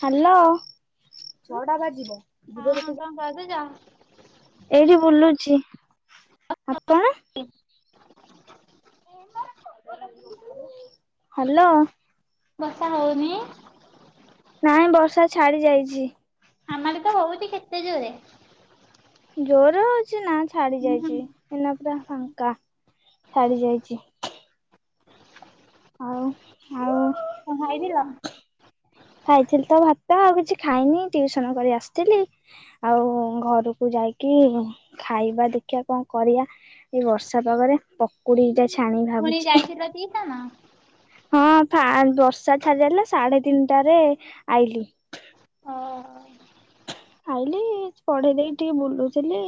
Hello! ହଁ କଣ କରୁଚ? ଏଇଠି ବୁଲୁଛି, ଆପଣ? ହାଲୋଁ! ବର୍ଷା ହଉନି? ନାଇଁ ବର୍ଷା ଛାଡି ଯାଇଛି। ଆମ ଆଡ଼େ ତ ହଉଛି କେତେ ଜୋରେ! ଜୋର ହଉଛି ନା ଛାଡି ହୁଁ ଯାଇଛି, କଣ ଏନା ପୁରା ଫାଙ୍କା ଛାଡି ଯାଇଛି। ଆଉ, ଆଉ କଣ ଖାଇଥିଲ? ଖାଇଥିଲି ତ ଭାତ ଆଉ କିଛି ଖାଇନି? ଟ୍ୟୁସନ କରି ଆସିଥିଲି। ଆଉ ଘରକୁ ଯାଇକି ଖାଇବା ଦେଖିବା କଣ କରିଆ? ଏଇ ବର୍ଷା ପାଗରେ ପକୁଡ଼ି ଦି ଛାଣି ପୁଣି ଭାବୁ। [inaudible] ହଁ, ବର୍ଷା ଛାଡ଼ି ଯାଇଥିଲା, ସାଢ଼େ ତିନ୍‌ଟା ରେ ଆଇଲି। [inaudible] ଆଇଲି, ପଢ଼େଇ ଦେଇକି ଟିକେ ବୁଲୁଥିଲି।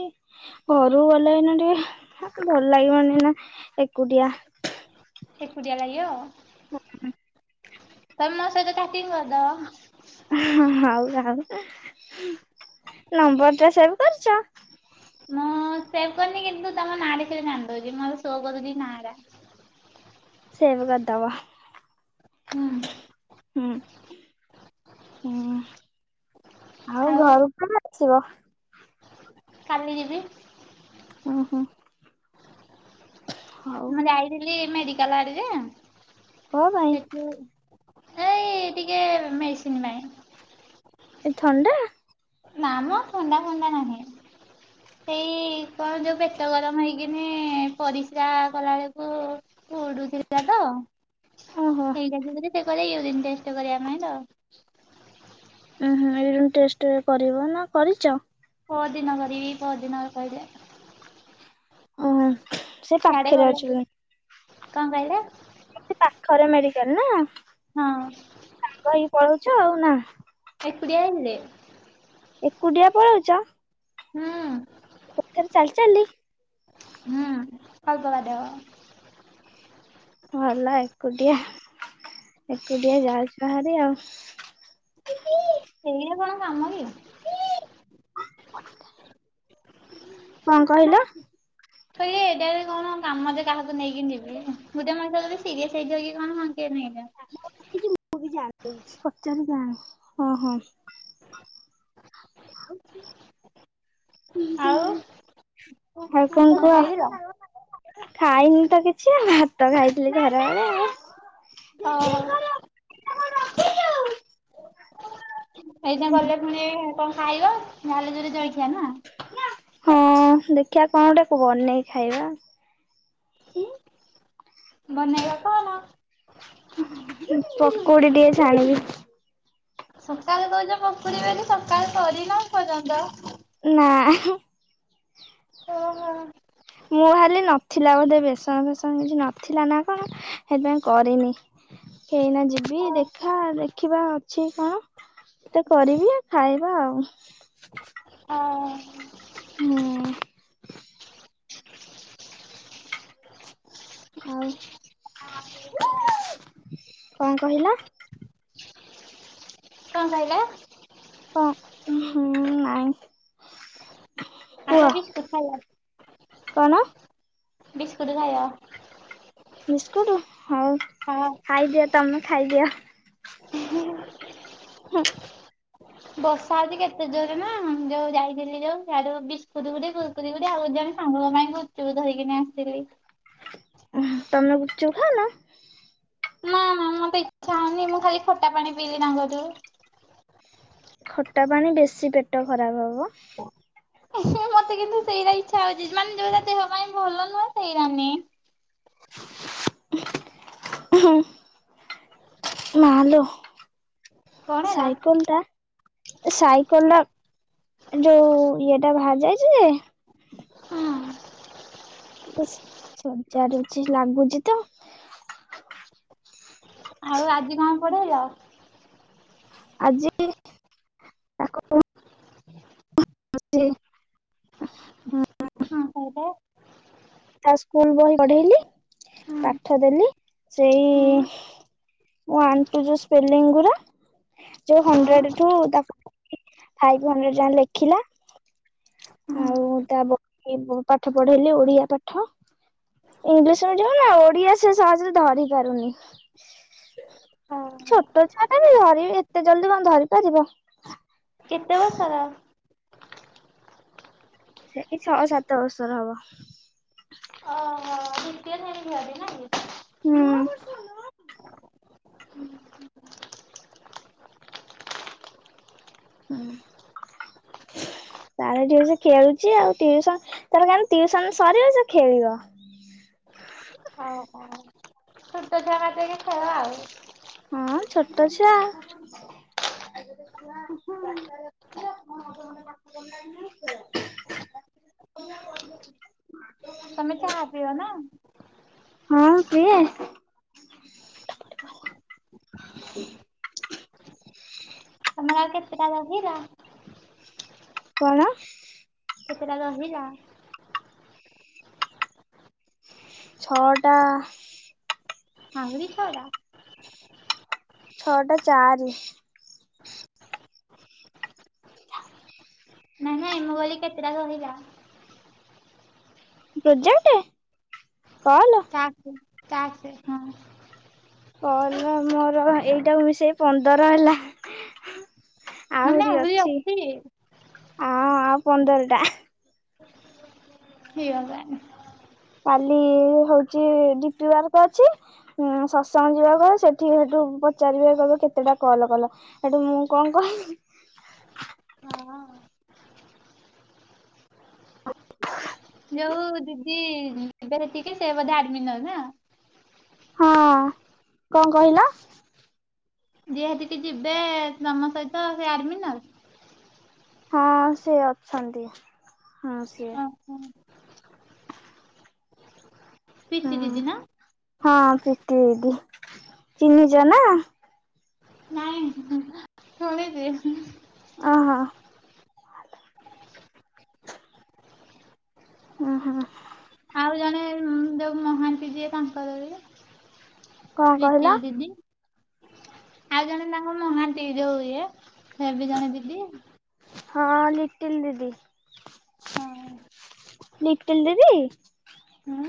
ଘରୁକୁ ଗଲେ ଏଇନା ଟିକେ ଭଲ୍ ଲାଗିବନି ନା ଏକୁଟିଆ। ଏକୁଟିଆ ଲାଗି। [unintelligible] ତମେ ମ ସଇତ ଚାଟିଂ କର୍ ଦବ। [inaudible] ମୁଁ ସେପ୍ କର୍ନି, କିନ୍ତୁ ତମ ନାଁ ଦେଖିଲେ ଜାଣ୍ ଦଉଚି ମର ସୋ କରୁଚି ନାଁ ରା। ସେପେ କର୍ଦବ। [inaudible] ଆଉ [unintelligible] କାଲି ଯିବି। [inaudible] ହଉ ମୁଁ ଯାଇଥିଲି ମେଡ଼ିକାଲ ଆଡ଼େ ଯେ। କଣ ପାଇଁ ସେଠୁ ଏଇ ଟିକେ ମେ--ସିନି ପାଇଁ। ଏ ଥଣ୍ଡା। ନାମ ଥଣ୍ଡା ଫଣ୍ଡା ନାହିଁ। ହେଇ କ'ଣ ଯଉ ପେଟ ଗରମ୍ ହେଇକିନି, ପରିସ୍ରା କଲା ଳକୁ ପୁଡୁଥିଲା ତ, ଓହୋ ହେଇରା ଯୁଗୁ ଯେ ସେ କହିଲେ ୟୁରିନ୍‌ ଟେଷ୍ଟ୍ କରିବା ପାଇଁ ତ। ଉଁହୁଁ, ୟରିନ୍ ଟେଷ୍ଟେ କରିବ ନା କରିଚ? ପର୍ ଦିନ କରିବି, ପର୍ ଦିନ କହିଲେ। [inaudible] ସିଆଡେ ଗଲେ କଣ କହିଲେ ପାଖରେ ମେଡ଼ିକାଲ୍ ନା। ହଁ! ସାଙ୍ଗ ହେଇ ପଳଉଚ ଆଉ ନା। [inaudible] ଏକୁଡ଼ିଆ ପଳଉଚ? ହୁଁ। [inaudible] [inaudible] ଭଲ ଏକୁଟିଆ, ଏକୁଟିଆ ଯାଉଚ ହାରି ଆଉ। [inaudible] [unintelligible] ଏଇଟା ରେ କ'ଣ କାମ ଯେ କାହାକୁ ନେଇକି ଯିବି? ଗୁଟେ ମଣିଷ [inaudible] [unintelligible] ହ ଆଉ କଣ ଖାଇଥିଲ [inaudible] ଖାଇନି ତ କିଛି, ଭାତ ଖାଇଥିଲି ଖରା ଳେ। [unintelligible] [inaudible] ହଁ, ଦେଖିଆ କ'ଣ ଟେ ବନେଇକି ଖାଇବା। ବନେଇବ କ ପକୁଡ଼ି ଟିକେ ଛାଣିବି। [inaudible] [inaudible] [unintelligible] ମୁଁ ଭାଲି ନଥିଲା ବୋଧେ ବେସନ ଫେସନ କିଛି ନଥିଲା ନା କଣ ସେଥିପାଇଁ କରିନି। ଏଇନା ଯିବି ଦେଖା ଦେଖିବା ଅଛି କଣତେ କରିବି ଆ ଖାଇବା ଆଉ। ହଁ। ମୁଁ ଆଉ କଣ କହିଲା। କଁ କହିଲ? କଁ ହୁଁ ନାଇଁ। ଆସ କୁହ ବିସ୍କୁଟ ଖାଇବ। କଣ? ବିସ୍କୁଟ ଖାଇବ। ବିସ୍କୁଟ୍ ହଉ, ହଁ। ଖାଇଦିଅ ତମେ ଖାଇଦିଅ। [unintelligible] ହୁଁ। ବର୍ଷା ହଉଛି କେତେ ଜୋରେ ନା ଯୋଉ ଯାଇଥିଲି ଯୋଉ ସ୍ୟାଡୁ ବିସ୍କୁଟ ଗୋଟେ କୁର୍କୁରୀ ଗୋଟେ ଆଉ ଜଣେ ସାଙ୍ଗଙ୍କ ପାଇଁ ଗୁଚୁପୁ ଧରିକିନା ଆସିଥିଲି। ତମେ ଗୁପ୍ ଚୁପ୍ ଖାଉନ? ନା ନା ମତେ ଇଚ୍ଛା ହଉନି ମୁଁ ଖାଲି ଖଟା ପାଣି ପିଇଲି ତାଙ୍କ କତୁରୁ। ଖଟା ପାଣି ବେଶୀ ପେଟ ଖରାପ ହବ। ମତେ କିନ୍ତୁ ସେଇରା ଇଚ୍ଛା ହଉଛି ମାନେ ଯୋଉରା ଦେହ ପାଇଁ ଭଲ ନୁହେଁ ସେଇରା ଆନୀ। ହୁଁ। ମାଲୋ କଣ ହେଲା? ସାଇକଲ ଟା ସାଇକଲଟା ଯୋଉ ଇଏ ଟା ବାହାରି ଯାଇଛି ଯେ- ହଁ। ସଜାଡୁଛି ଲାଗୁଛି ତ ଆଉ ଆଜି କଁ ପଢେଇଲ? ଆଜି [inaudible] [unintelligible] କଁ କହିଲ? ତା ସ୍କୁଲ ବହି ପଢେଇଲି ପାଠ ଦେଲି ସେଇ ୱାନ ଟୁ ଯୋଉ ସ୍ପେଲିଙ୍ଗ ଗୁରା ଯୋଉ ହଣ୍ଡ୍ରେଡ ଠୁତା ଫାଇଭ ହଣ୍ଡ୍ରେଡ ଯାଙ୍କେ ଲେଖିଲା ଆଉ ତା ବହି ପାଠ ପଢେଇଲି ଓଡିଆ ପାଠ। ଇଂଲିଶ ମିଡିୟମ ନା ଓଡ଼ିଆ ସେ ସହଜରେ ଧରି ପାରୁନି। ଛୋଟ ଛୁଆଟା ଧରି ଏତେ ଜଲଦି କଁ ଧରି ପାରିବ? କେତେ ବର୍ଷ ର? ସେଇ ଛଅ ସାତ ବର୍ଷର ହବ। ଅ ହ। ଦିତୀୟ ସେଣି ଛୁଆ ଟେ ନା। କି? ହୁଁ। ଉଁ। ତାର ଏଠି ବସି ଖେଳୁଛି ଆଉ ଟିଉସନ ତାରଖାଲି ଟିଉସନ ସରିବ ସେ ଖେଳିବ। ହ ହ। ତାର ଯାଇକି ଖେଳ ଆଉ। ହଁ ଛୋଟ ଛୁଆ। [unintelligible] ତମେ ଚାହା ପିଅ ନା? ହଁ ପିଏ। [unintelligible] ତମର ଆଉ କେତେଟା ରହିଲା? କଣ? କେତେଟା ରହିଲା? ଛଅଟା। ଆହୁରି ଛ ଟା। ଛଅଟା ଚାରି। ନାଇଁ ନାଇଁ ମୁଁ କହିଲି କେତେଟା ରହିଲା? ପ୍ରୋଜେକ୍ଟ କଲ। ତାକୁ ଟାଷ୍କ ହଁ। କଲ ମୋର ଏଇଟାକୁ ମିଶେଇ ପନ୍ଦର ହେଲା। ଆହୁରି ଅଛି ଆ ଆଉ ପନ୍ଦର ଟା। ଆ [unintelligible] ହେ ଭଗବାନ। କାଲି ହଉଚି ଜିପି ୱାର୍କ ତ ଅଛି। ଉଁ ଶତ୍ସଙ୍ଗ ଯିବା କୁ ହବ ସେଠି ସେଠୁ ପଚାରିବେ କହିବେ କେତେଟା କଲ୍ କଲ। ହେଟୁ ମୁଁ କଣ କହିବି? ହଁ। ଯୋଉ ଦିଦି ଏବେରେ ଟିକେ ସେ ବୋଧେ ଆଡ୍‌ମିନର ନା। ହଁ କଣ କହିଲ? ଯିଏ ଦିଦି ଯିବେ ତମ ସହିତ ସେ ଆଡର୍ମିନାଲ୍। ହଁ ସିଏ ଅଛନ୍ତି ହଁ ସିଏ। ଓହୋ ପିତି ହଁ ଦିଦି ନା? ହଁ ପ୍ରୀତି ଦିଦି ଚିହ୍ନିଚ ନା। ନାଇଁ ଶୁଣିଚି। ଅ ହ। ହୁଁ ହୁଁ। ଆଉ ଜଣେ ଯୋଉ ମହାନ୍ତିି ଯିଏ ତାଙ୍କର କଣ ଯେ କହିଲ? ଲିଟିଲି ଦିଦି। ଆଉ ଜଣେ ତାଙ୍କ ମହାନ୍ତି ଯୋଉ ଇଏ ସେ ବି ଜଣେ ଦିଦି। ହଁ ଲିଟିଲ୍ ଦିଦି। ହଁ ଲିଟିଲ୍ ଦିଦି। ହୁଁ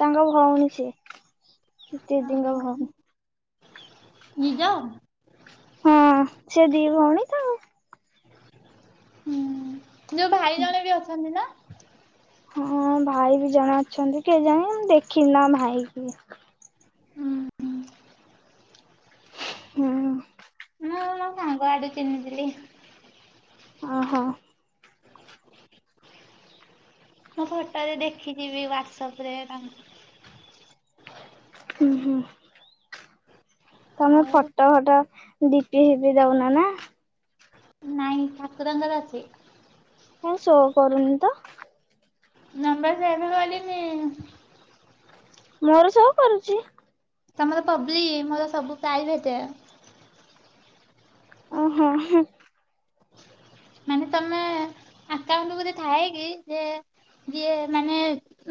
ତାଙ୍କ ଭଉଣୀ ସିଏ ଦିଦିଙ୍କ ଭଉଣୀ। ନିଜ। ହଁ ସେ ଦି ଭଉଣୀ ତ। ହୁଁ ଯୋଉ ଭାଇ ଜଣେ ବି ଅଛନ୍ତି ନା। ହଁ ଭାଇ ବି ଜଣେ ଅଛନ୍ତି କେଇଜାଣି ମୁ ଦେଖିନି ନା ଭାଇ କି। ହୁଁ ହୁଁ। ଅ ମୋ ସାଙ୍ଗ ଆଡୁ ଚିହ୍ନିଥିଲି। ଅ ହ। ମୁଁ ଫଟୋ ରେ ଦେଖିଯିବି ହ୍ଵାଟସପ୍ ରେ ତାଙ୍କୁ। ହୁଁ ହୁଁ। ତମେ ଆଉ ଫଟୋ ଫଟ ଡିପି ହେପି ଦଉନା ନା। ଠାକୁରଙ୍କର ଅଛି। କାଇଁ ଶୋ କରୁନି ତ। ନମ୍ବର ସେବ୍ କିରିନି। ମୋର ଶୋ କରୁଚି। ତମର ପବ୍ଲି ମୋର ସବୁ ପ୍ରାଇଭେଟ୍। ଅ ହ ହୁଁ। ମାନେ ତମେ ଆକାଉଣ୍ଟୁକୁ ଯଦି ଥାଏକି ଯେ ଯିଏ ମାନେ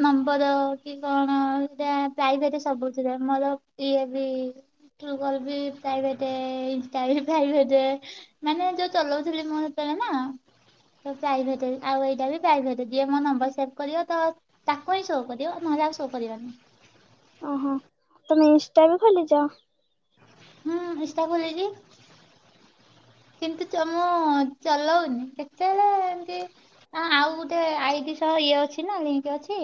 ନମ୍ବର କି କଣ ଯା ପ୍ରାଇଭେଟେ ସବୁ ଥିରେ ମୋର ଇଏ ବି ଟ୍ରଗଲ୍ ବି ପ୍ରାଇଭେଟ୍ ଇନଷ୍ଟା ବି ପ୍ରାଇଭେଟ୍ ମାନେ ଯୋଉ ଚଲଉଥିଲି ମୁଁ ସେତେବେଳେ ନା ପ୍ରାଇଭେଟ ଆଉ ଏଇଟା ବି ପ୍ରାଇଭେଟ ଜିଏ ମୋ ନମ୍ବର ସେଭ କରିବ ତ ତାକୁ ହିଁ ସୋ କରିବ ନହେଲେ ଆଉ ସୋଉ କରିବନି। ଓହୋ ତମେ ଇନଷ୍ଟା ବି ଖୋଲିଛ। ହୁଁ ଇନଷ୍ଟା ଖୋଲିଛି। କିନ୍ତୁ ମୁଁ ଚଲାଉନି କେତେବେଳେ ଏମତି ହ ଆଉ ଗୋଟେ ଆଇଡି ସହ ଇଏ ଅଛି ନା ଲିଙ୍କ ଅଛି।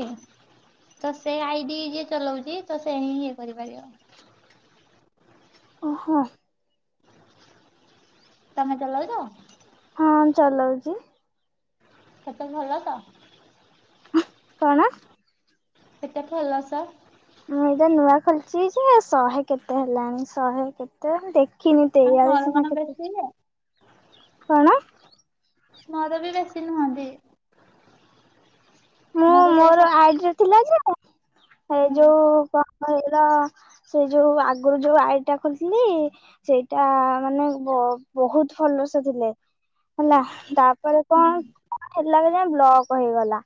ତ ସେ ଆଇଡି ଯିଏ ଚଲଉଛି ତ ସେ ହିଁ ଇଏ କରିପାରିବ। ଓହୋ। ତମେ ଚଲଉଛ? ହଁ ଚଲଉଛି। ସେତେ ଭଲ ତ। କଣ? କେତେ ଫଲର୍ସ? ମୁଁ ଏଇଟା ନୂଆ ଖୋଲିଛି ଯେ ଶହେ କେତେ ହେଲାଣି ଶହେ କେତେ ଦେଖ ଆଉ କିଣିତେଇଆଲିସି ମୋର ସିନା କଣ କେତେ ବେଶୀ ଯେ କଣ? ମୋର ବି ବେଶୀ ନୁହନ୍ତି। ମୁଁ ସେଇ ମୋର ସ ଆଇଡିରେ ଥିଲା ଯେ ଏ ଯୋଉ କଣ କହିଲ ସେ ଯୋଉ ଆଗରୁ ଯୋଉ ଆଇଡି ଟା ଖୋଲିଥିଲି। ସେଇଟା ମାନେ ବହୁତ ଫୋଲୋର୍ସ ଥିଲେ। ହେଲା ତାପରେ କଣ ହେଥିଲାବେଳେ ଯ ବ୍ଲକ ହେଇଗଲା।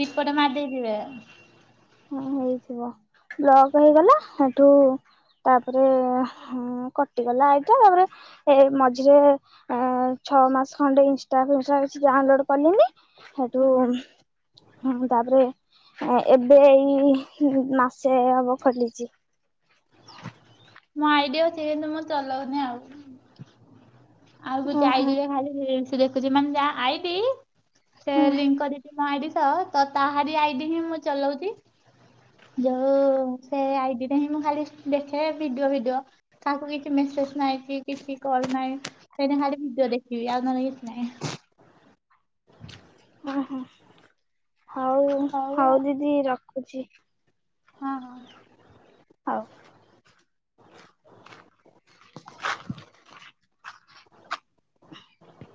ରିପଟ୍ ମାରି ଦେଇଥିବେ। ହଁ ହେଇଥିବ ବ୍ଲକ୍ ହେଇଗଲା ସେଠୁ ତାପରେ କଟିଗଲା ଆଇଟା ତାପରେ ଏ ମଝିରେ ଛଅ ମାସ ଖଣ୍ଡେ ହେଇଛି ତାବିସୟରେ ଡାଉନଲୋଡ କଲିଣିି। ହେଠୁ ତାପରେ ଏବେ ଏଇ ମାସେ ହବ ଖୋଲିଛି। [inaudible] ମୋ ଆଇଡି ଅଚି କିନ୍ତୁ ମୁଁ ଚଲଉନି ଆଉ ଆଉ ଗୋଟେ ଓହୋ ଆଇଡରେ ଖାଲି ରିଲ୍ସି ଦେଖୁଛି ମାନେ ଯା ଆଇଢି ସେ ହୁଁ। ଲିଙ୍କ କରିବି। ମୋ ଆଇଡି ସହ ତ ତହାରି ଆଇଠି ହିଁ ମୁଁ ଚଲଉଛି। ଯୋଉ ସେ ଆଇଡିଟା ହିଁ ମୁଁ ଖାଲି ଦେଖେ। ଭିଡିଓ ଭିଡିଓ କାକୁ କିଛି ମେସେଜ ନହିଁ କି କିଛି କଲ୍ ନାଇଁ ସେ ଭିଡିଓ ଦେଖ। ଆ ନନୋଗତ ନାଁ [inaudible] ଓହୋ ହଉ ହଉ ଦିଦି ରଖୁଛି। ହଁ ହଁ ହଉ। [inaudible]